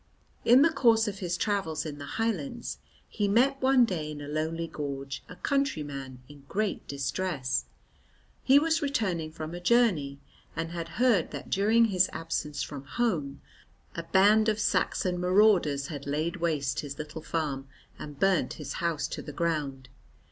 In the course of his travels in the Highlands he met one day in a lonely gorge a countryman in great distress. He was returning from a journey, and had heard that during his absence from home, a band of Saxon marauders had laid waste his little farm and burnt his house to the ground.